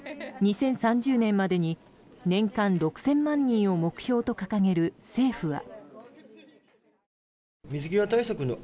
２０３０年までに年間６０００万人を目標と掲げる、政府は。